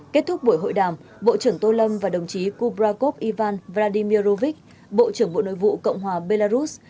kết thúc buổi hội đàm bộ trưởng tô lâm và đồng chí kubrakov ivan vladimir rovich bộ trưởng bộ nội vụ cộng hòa belarus